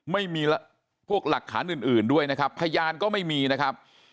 ไม่มีพวกหลักฐานอื่นด้วยนะครับพยานก็ไม่มีนะครับ